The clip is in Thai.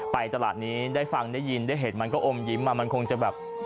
ตลาดนี้ได้ฟังได้ยินได้เห็นมันก็อมยิ้มมันคงจะแบบ